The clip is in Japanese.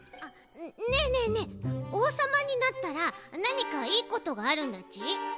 ねえねえねえおうさまになったらなにかいいことがあるんだち？